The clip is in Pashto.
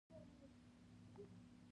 ته د یو پړکمشر لیاقت لا نه لرې.